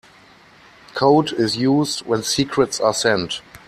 Code is used when secrets are sent.